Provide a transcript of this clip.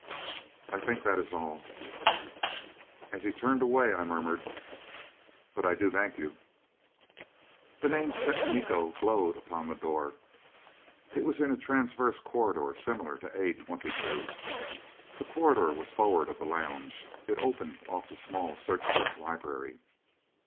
"I think that is all." As he turned away, I murmured, "But I do thank you...." The name Set Miko glowed upon the door. It was in a transverse corridor similar to A22. The corridor was forward of the lounge: it opened off the small circular library.